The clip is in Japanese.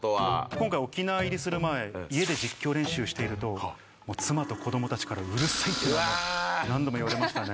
今回沖縄入りする前、家で実況練習していると妻と子どもたちからうるさいって何度も言われましたね。